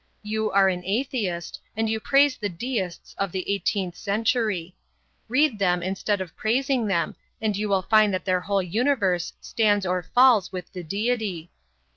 You are an atheist, and you praise the deists of the eighteenth century. Read them instead of praising them, and you will find that their whole universe stands or falls with the deity.